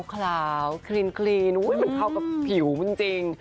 คราวคลิ้นเหมือนเขากับผิวมันจริง